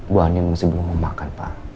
bu alin masih belum mau makan pa